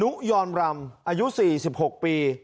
ุยอนรำอายุ๔๖ปี